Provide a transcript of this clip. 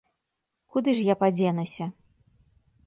Куды ж я падзенуся?